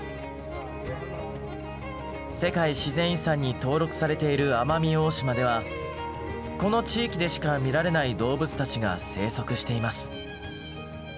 世界自然遺産に登録されている奄美大島ではこの地域でしか見られない動物たちが生息しています。